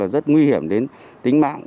rất nguy hiểm đến tính mạng